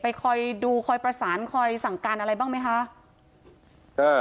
คอยดูคอยประสานคอยสั่งการอะไรบ้างไหมคะ